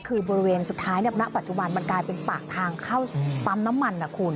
คือบริเวณสุดท้ายณปัจจุบันมันกลายเป็นปากทางเข้าปั๊มน้ำมันนะคุณ